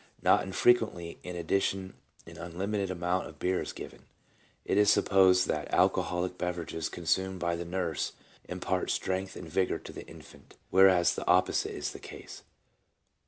Not infrequently in addition an un limited amount of beer is given. It is supposed that alcoholic beverages consumed by the nurse impart strength and vigour to the infant, whereas the opposite is the case.